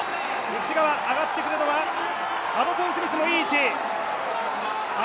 内側、上がってくるのはアドソン・スミスがいい！